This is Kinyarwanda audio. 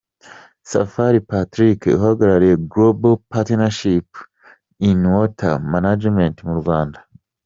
Safari Patrick uhagarariye Global Partnership in Water Management mu Rwanda.